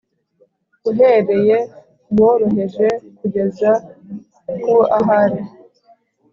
uhereye ku woroheje kugeza ku aho ari